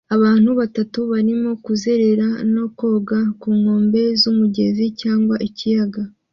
Abantu batanu barimo kuzerera no koga ku nkombe z'umugezi cyangwa ikiyaga